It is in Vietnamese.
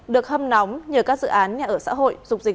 được hâm nóng nhờ các dự án nhà ở xã hội